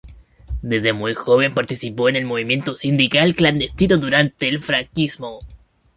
Desde muy joven participó en el movimiento sindical clandestino durante el franquismo.